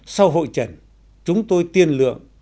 sau hội trần chúng tôi tiên lượng